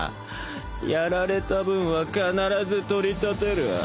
やられた分は必ず取り立てる。